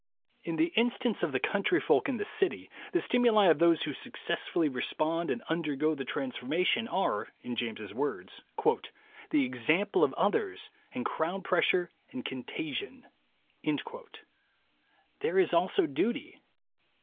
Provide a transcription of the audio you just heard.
In the instance of the country folk in the city, the stimuli of those who successfully respond and undergo the transformation, are, in James's words, "the example of others, and crowd pressure and contagion." There is also duty.